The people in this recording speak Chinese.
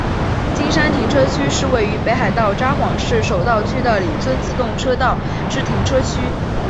金山停车区是位于北海道札幌市手稻区的札樽自动车道之停车区。